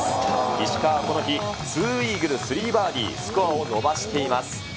石川、この日、２イーグル３バーディー、スコアを伸ばしています。